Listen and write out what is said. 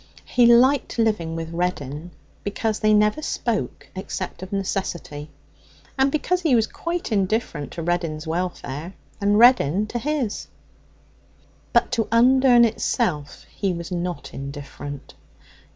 He liked living with Reddin because they never spoke except of necessity, and because he was quite indifferent to Reddin's welfare and Reddin to his. But to Undern itself he was not indifferent.